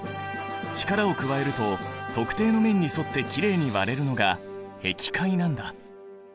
力を加えると特定の面に沿ってきれいに割れるのがへき開なんだ。